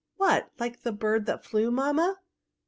" What, like the bird that flew, mamma?